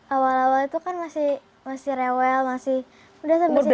awal awal itu kan masih rewel masih udah sampai sini